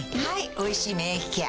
「おいしい免疫ケア」